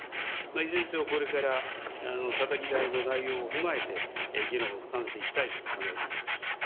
いずれにせよこれから、たたき台の内容を踏まえて、議論を深めていきたいと考えております。